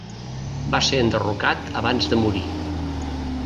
Va ser enderrocat abans de morir.